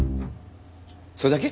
それだけ？